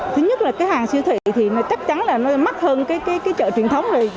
thứ nhất là cái hàng siêu thị thì nó chắc chắn là nó mắc hơn cái chợ truyền thống này